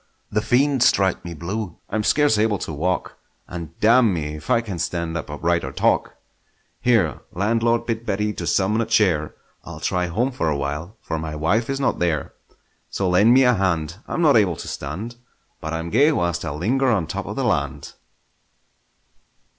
The fiend strike me blue! I'm scarce able to walk, And damn me if I can stand upright or talk! Here, landlord, bid Betty to summon a chair; I'll try home for a while, for my wife is not there! So lend me a hand; I'm not able to stand, But I'm gay whilst I linger on top of the land!